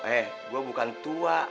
eh gue bukan tua